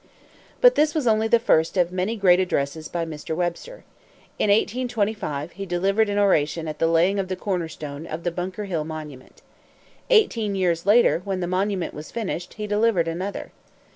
But this was only the first of many great addresses by Mr. Webster. In 1825, he delivered an oration at the laying of the cornerstone of the Bunker Hill monument. Eighteen years later, when that monument was finished, he delivered another.